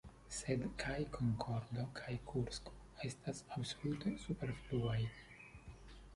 Sed kaj Konkordo kaj Kursko estas absolute superfluaj.